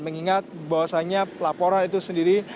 mengingat bahwasannya laporan itu sendiri